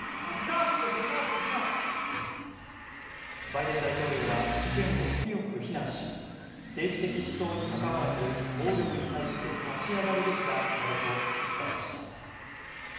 バイデン大統領は、事件を強く非難し、政治的思想にかかわらず、暴力に対して立ち上がるべきだなどと訴えました。